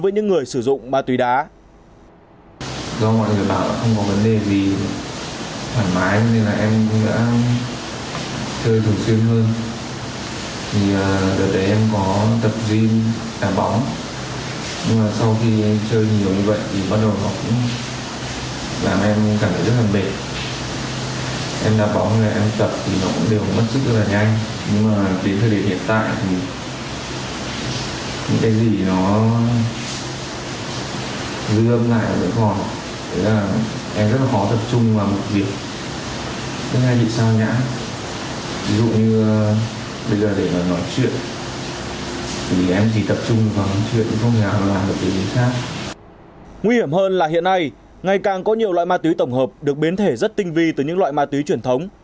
nguy hiểm hơn là hiện nay ngày càng có nhiều loại ma túy tổng hợp được biến thể rất tinh vi từ những loại ma túy truyền thống